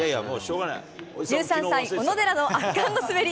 １３歳、小野寺の圧巻の滑り。